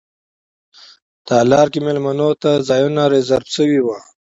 تالار کې میلمنو ته ځایونه ریزرف شوي وو.